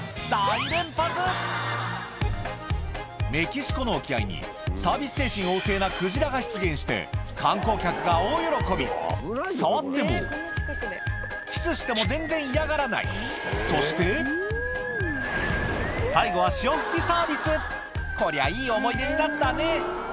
メキシコの沖合にサービス精神旺盛なクジラが出現して観光客が大喜び触ってもキスしても全然嫌がらないそして最後は潮吹きサービスこりゃいい思い出になったね